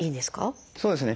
そうですね。